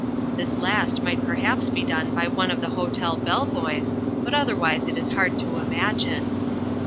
(This last might perhaps be done by one of the hotel bellboys, but otherwise it is hard to imagine.)